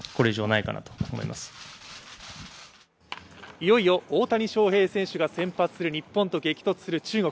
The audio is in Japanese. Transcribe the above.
いよいよ大谷翔平選手が先発する日本と激突する中国。